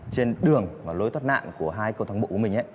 trên đường lối thoát nạn của hai cơ thống bộ của mình